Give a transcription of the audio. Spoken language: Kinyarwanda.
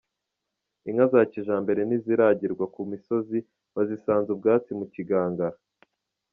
Inka za kijambere ntiziragirwa ku misozi, bazisanza ubwatsi mu kigangara.